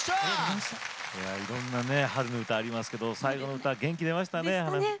いろんな春の歌ありますけど最後の歌、元気が出ましたね。